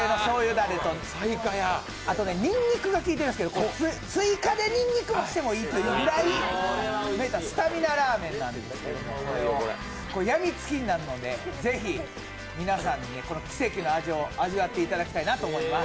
だれとにんにくが効いてるんですけど追加でにんにく増してもいいというぐらいスタミナラーメンなんですけどこれ、病みつきになるのでぜひ、皆さんでこの奇跡の味を味わっていただきたいと思います。